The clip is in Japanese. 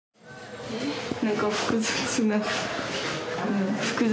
なんか複雑な複雑。